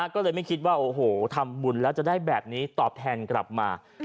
ก็เลยไม่คิดว่าโอ้โหทำบุญแล้วจะได้แบบนี้ตอบแทนกลับมา